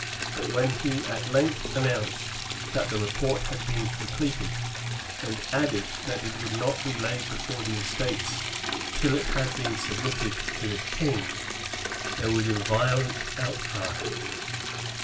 But, when he at length announced that the report had been completed; and added that it would not be laid before the Estates till it had been submitted to the King, there was a violent outcry.